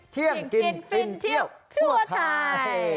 เที่ยงกินฟินเที่ยวทั่วไทย